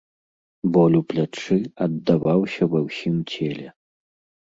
Боль у плячы аддаваўся ва ўсім целе.